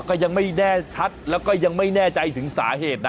ก็ยังไม่แน่ชัดแล้วก็ยังไม่แน่ใจถึงสาเหตุนะ